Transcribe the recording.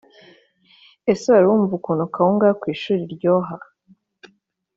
Ese wariwuma ukuntu kawuga yok u ishuri iryoha